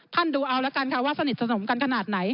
ดูเอาละกันค่ะว่าสนิทสนมกันขนาดไหน